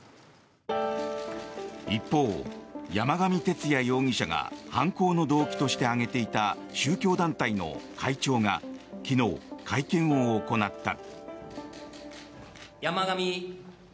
一方、山上徹也容疑者が犯行の動機として挙げていた宗教団体の会長が昨日、会見を行った。